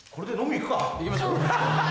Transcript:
行きましょう。